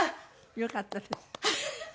よかったです。